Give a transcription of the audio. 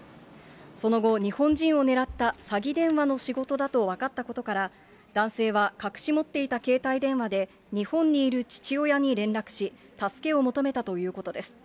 その後、日本人を狙った詐欺電話の仕事だと分かったことから、男性は隠し持っていた携帯電話で、日本にいる父親に連絡し、助けを求めたということです。